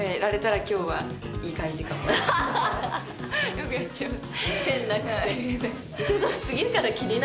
よくやっちゃいます。